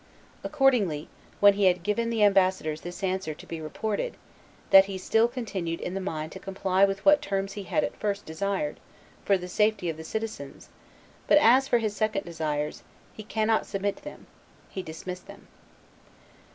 Accordingly, when he had given the ambassadors this answer to be reported, that he still continued in the mind to comply with what terms he at first desired, for the safety of the citizens; but as for his second desires, he cannot submit to them, he dismissed them.